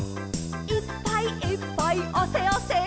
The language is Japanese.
「いっぱいいっぱいあせあせ」